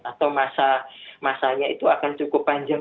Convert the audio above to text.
atau masanya itu akan cukup panjang